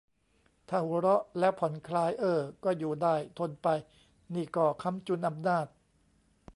ถ้าหัวเราะแล้วผ่อนคลาย เอ้อ ก็อยู่ได้ ทนไป นี่ก็ค้ำจุนอำนาจ